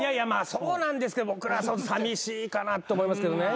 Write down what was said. そうなんですけど僕らさみしいかなと思いますけどね。